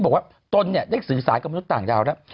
บอกว่าตนเนี่ยได้สื่อสารกับมนุษย์ต่างดาวแล้ว